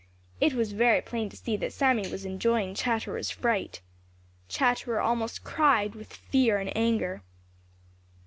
It was very plain to see that Sammy was enjoying Chatterer's fright. Chatterer almost cried with fear and anger.